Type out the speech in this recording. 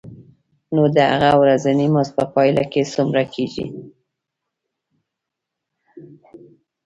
نو د هغه ورځنی مزد په پایله کې څومره کېږي